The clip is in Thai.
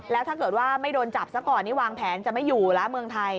แล้วถ้าเกิดว่าไม่โดนจับซะก่อนนี่วางแผนจะไม่อยู่แล้วเมืองไทย